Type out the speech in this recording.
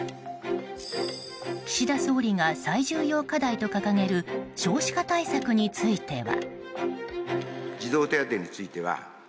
岸田総理が最重要課題と掲げる少子化対策については。